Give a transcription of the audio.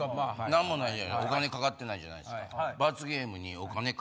何もないお金かかってないじゃないすか。